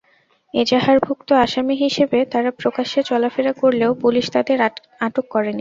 এজাহারভুক্ত আসামি হিসেবে তাঁরা প্রকাশ্যে চলাফেরা করলেও পুলিশ তাঁদের আটক করেনি।